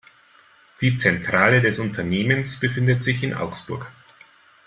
Die Zentrale des Unternehmens befindet sich in Augsburg.